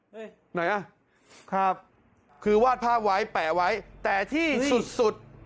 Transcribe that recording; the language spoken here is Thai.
ไหนอ่ะครับคือวาดภาพไว้แปะไว้แต่ที่สุดสุด